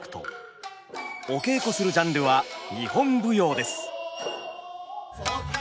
お稽古するジャンルは日本舞踊です。